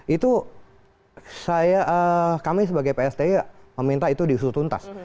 itu kami sebagai pssi meminta itu diusul tuntas